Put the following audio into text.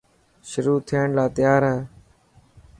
شروع ٿيڻ لا تيار هي.